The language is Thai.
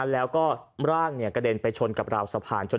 แล้วก็ร่างกระเด็นไปชนกับราวสะพาน